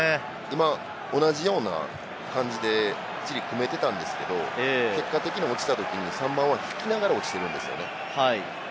今、同じような感じでチリは組めてたんですけど、結果的に落ちたときに３番が引きながら落ちてるんです。